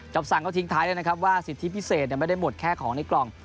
สั่งก็ทิ้งท้ายด้วยนะครับว่าสิทธิพิเศษไม่ได้หมดแค่ของในกล่อง